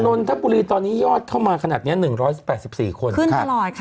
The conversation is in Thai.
โนลต๊ะปุลีตอนนี้ยอดเข้ามาขณะเนี่ย๑๗๔คุณค่ะขึ้นกันตลอดค่ะ